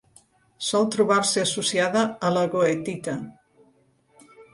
Sol trobar-se associada a la goethita.